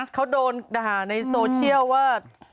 เธอโดนไห่ในโซเชียลว่า